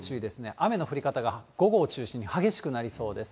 雨の降り方が午後を中心に激しくなりそうです。